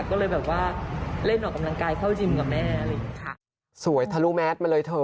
ก็เลยแบบว่าเล่นออกกำลังกายเข้ายิมกับแม่อะไรอย่างเงี้ค่ะสวยทะลุแมทมาเลยเถอะ